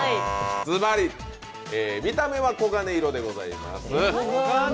ずばり、見た目は黄金色でございます。